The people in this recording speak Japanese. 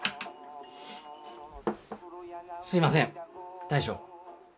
すいません大将。